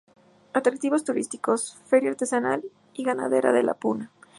Atractivos turísticos: Feria Artesanal y Ganadera de la Puna.